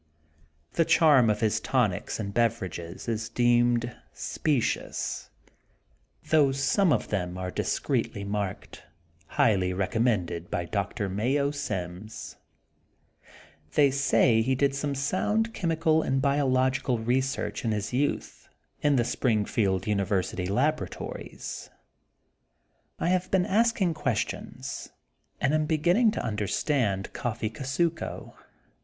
The charm of his tonics and beverages is deemed specious, though some of them are discreetly marked: Highly recommended by Doctor Mayo Sims. ^^They say '^ he did some sound chemical and biological research in his youth in the Springfield University labora tories. I have been asking questions and am be ginning to understand Coffee Kusuko.